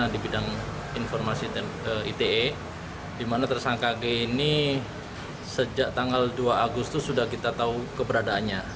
di bidang informasi ite di mana tersangka g ini sejak tanggal dua agustus sudah kita tahu keberadaannya